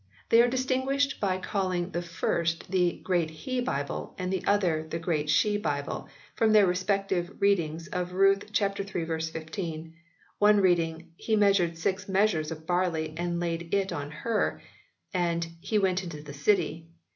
They are distinguished by calling the first the GREAT HBE BIBLE, and the other the GREAT SHE BIBLE, from their respective readings of Ruth iii. 15, the one reading "he measured six measures of barley, and laid it on her: and HEE went into the city."